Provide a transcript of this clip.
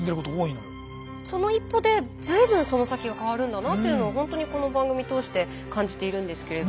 その一歩で随分その先が変わるんだなというのをほんとにこの番組通して感じているんですけれど。